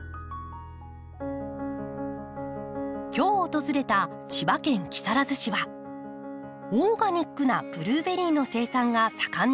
今日訪れた千葉県木更津市はオーガニックなブルーベリーの生産が盛んな地域です。